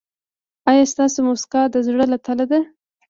ایا ستاسو مسکا د زړه له تله ده؟